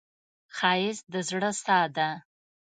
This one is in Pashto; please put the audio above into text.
ښایست د زړه ساه ده